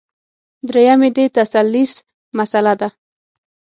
درېیم یې د تثلیث مسله ده.